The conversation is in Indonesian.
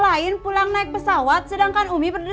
adam in mattamudi